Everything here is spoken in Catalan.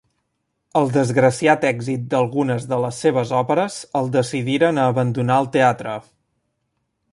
El desgraciat èxit d'algunes de les seves òperes el decidiren a abandonar el teatre.